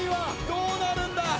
どうなるんだ！